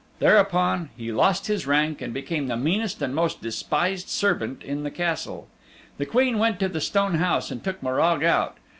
Thereupon he lost his rank and became the meanest and the most despised servant in the Castle. The Queen went to the Stone House and took Morag out.